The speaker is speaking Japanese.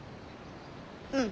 うん。